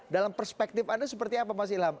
dalam perspektif anda seperti apa mas ilham